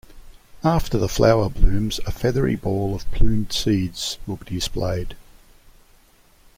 After the flower blooms a feathery ball of plumed seeds will be displayed.